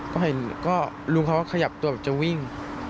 ก็เห็นก็ลุงเขาก็ขยับตัวแบบจะวิ่ง